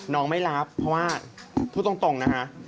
ไม่รับเพราะว่าพูดตรงนะคะ